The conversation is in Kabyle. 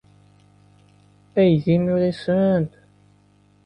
Ay d imiɣisen!